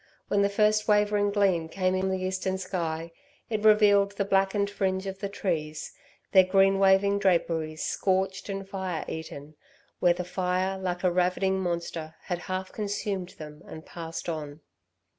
When the first wavering gleam came in the eastern sky it revealed the blackened fringe of the trees, their green waving draperies scorched and fire eaten, where the fire, like a ravening monster, had half consumed them and passed on.